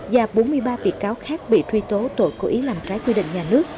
và bốn mươi ba bị cáo khác bị truy tố tội cố ý làm trái quy định nhà nước